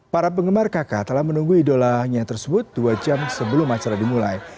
para penggemar kakak telah menunggu idolanya tersebut dua jam sebelum acara dimulai